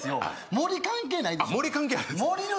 森関係ないでしょ